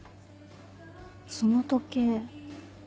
その時計